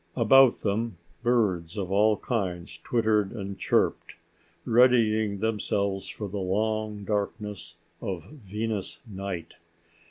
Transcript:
About them, birds of all kinds twittered and chirped, readying themselves for the long darkness of Venus night.